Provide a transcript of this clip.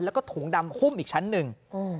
แล้วก็ถุงดำหุ้มอีกชั้นหนึ่ง